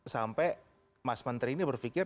sampai mas menteri ini berpikir